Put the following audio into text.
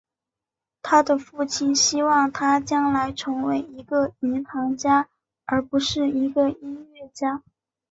他的父亲希望他将来成为一个银行家而不是一个音乐家。